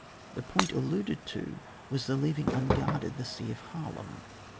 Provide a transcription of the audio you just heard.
The point alluded to was the leaving un guarded the Sea of Haarlem.